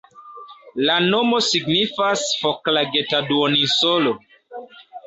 La nomo signifas "Foklageta-duoninsolo".